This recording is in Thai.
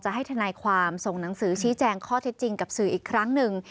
ให้ทนายความส่งหนังสือชี้แจงข้อเท็จจริงกับสื่ออีกครั้งหนึ่ง